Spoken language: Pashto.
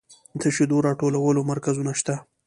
د شیدو راټولولو مرکزونه شته؟